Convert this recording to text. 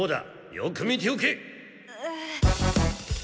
よく見ておけ。